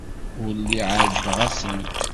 Ur lliɣ ɛejbeɣ-asent.